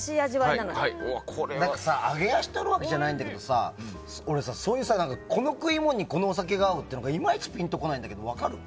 なんかさ、あげ足を取るわけじゃないんだけど俺、この食い物にこのお酒が合うっていまいちピンとこないんだけど分かる？